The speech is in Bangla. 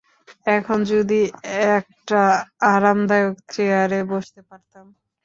এখন যদি একটা আরামদায়ক চেয়ারে বসতে পারতাম।